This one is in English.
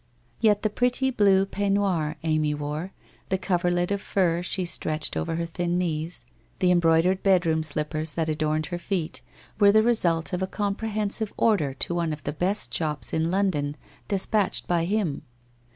Yet the pretty blue peignoir Amy wore, the coverlid of fur she stretched over her thin knees, the embroidered bedroom slippers that adorned her feet were the result of a comprehensive order to one of the best shops in London despatched by him.